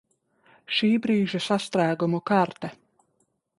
Šībrīža sastrēgumu karte